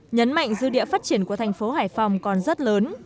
nhấn mạnh dư địa phát triển của thành phố hải phòng còn rất lớn